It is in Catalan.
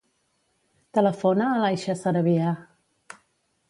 Telefona a l'Aisha Sarabia.